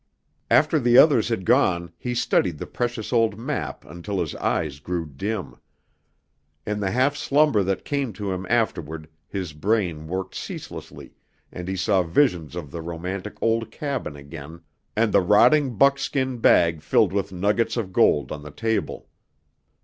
After the others had gone he studied the precious old map until his eyes grew dim; in the half slumber that came to him afterward his brain worked ceaselessly, and he saw visions of the romantic old cabin again, and the rotting buckskin bag filled with nuggets of gold on the table.